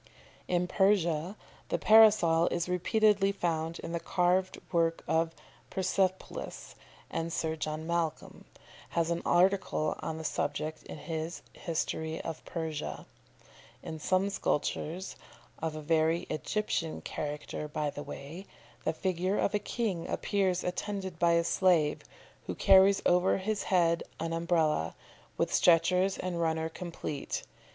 ] In Persia the Parasol is repeatedly found in the carved work of Persepolis, and Sir John Malcolm has an article on the subject in his "History of Persia." In some sculptures of a very Egyptian character, by the way the figure of a king appears attended by a slave, who carries over his head an Umbrella, with stretchers and runner complete.